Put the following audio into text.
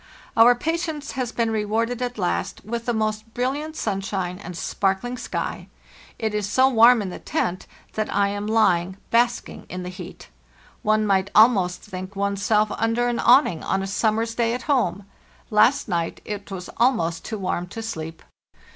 Our patience has been rewarded at last with the most brilliant sunshine and sparkling sky. It is so warm in the tent that I am lying basking in the heat. One might almost think one's self under an awning on a II.—14 210 FARTHEST NORTH summers day at home. Last night it was almost too warm to sleep."